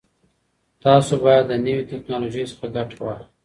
تاسو باید له نوي ټکنالوژۍ څخه ګټه واخلئ.